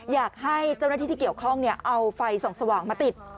อยากให้เจ้าหน้าที่ที่เกี่ยวข้องเอาไฟส่องสว่างมาติด